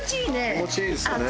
気持ちいいですね。